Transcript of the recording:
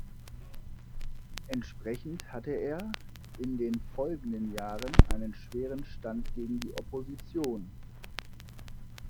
Entsprechend hatte er in den folgenden Jahren einen schweren Stand gegen die Opposition.